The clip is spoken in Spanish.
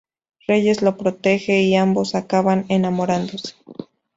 Reyes lo protege y ambos acaban enamorándose.